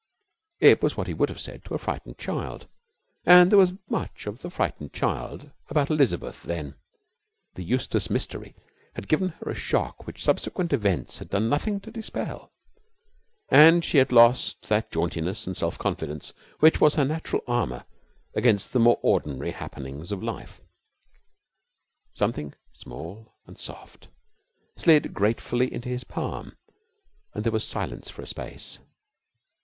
It was what he would have said to a frightened child, and there was much of the frightened child about Elizabeth then. The Eustace mystery had given her a shock which subsequent events had done nothing to dispel, and she had lost that jauntiness and self confidence which was her natural armour against the more ordinary happenings of life. Something small and soft slid gratefully into his palm, and there was silence for a space.